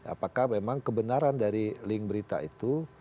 apakah memang kebenaran dari link berita itu